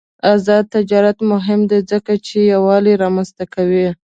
آزاد تجارت مهم دی ځکه چې یووالي رامنځته کوي.